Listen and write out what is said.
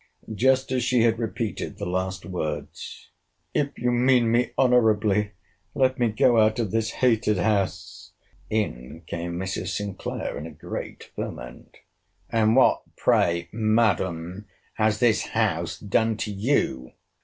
Just as she had repeated the last words, If you mean me honourably, let me go out of this hated house, in came Mrs. Sinclair, in a great ferment—And what, pray, Madam, has this house done to you?